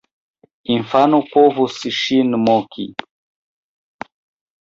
Infano povus ŝin moki.